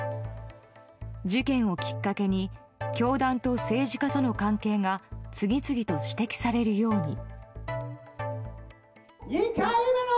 事件をきっかけに教団と政治家との関係が次々と指摘されるように。